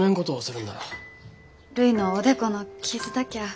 るいのおでこの傷だきゃあ